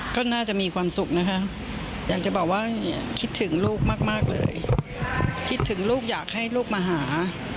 ก็น่าจะมีความสุขนะคะอยากจะบอกว่าคิดถึงลูกมากเลยคิดถึงลูกอยากให้ลูกมาหา